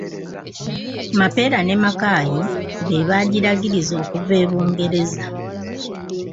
Mapeera ne Makaayi be baagiragiriza okuva e Bungereza.